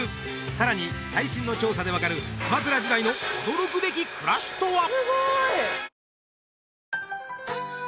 さらに最新の調査で分かる鎌倉時代の驚くべき暮らしとは？